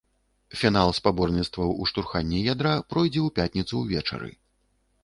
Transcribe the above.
Фінал спаборніцтваў у штурханні ядра пройдзе ў пятніцу ўвечары.